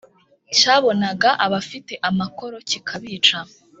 Cyabonaga abafite amakoro kikabica,